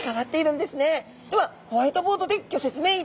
ではホワイトボードでギョ説明いたします。